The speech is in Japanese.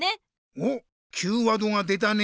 おっＱワードが出たね。